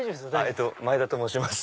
前田と申します。